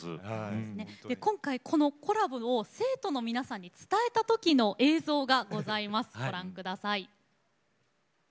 今回、このコラボを生徒の皆さんに伝えたときの映像がございます。